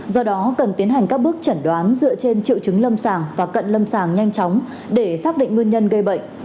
do đó cần tiến hành các bước chẩn đoán dựa trên triệu chứng lâm sàng và cận lâm sàng nhanh chóng để xác định nguyên nhân gây bệnh